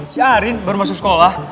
si arin baru masuk sekolah